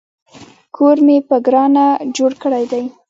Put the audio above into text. کور مې په ګرانه جوړ کړی دی